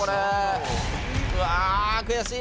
うわあ悔しい！